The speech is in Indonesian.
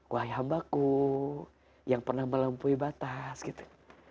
wahai hambaku yang pernah melampaui batas gitu